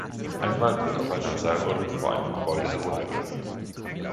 Ein Mann wird auf einer Seilrolle vor einem Gebäude heruntergelassen.